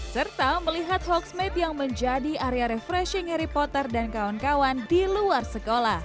serta melihat hogsmed yang menjadi area refreshing harry potter dan kawan kawan di luar sekolah